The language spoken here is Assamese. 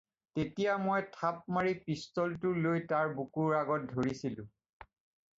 তেতিয়া মই থাপ মাৰি পিষ্টলটো লৈ তাৰ বুকুৰ আগত ধৰিছিলোঁ।